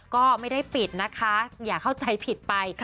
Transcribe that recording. ก็ไม่ได้ปิดนะคะอย่าเข้าใจผิดไป